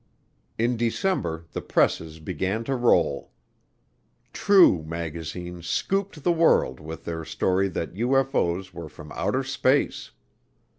In December the presses began to roll. True magazine "scooped" the world with their story that UFO's were from outer space.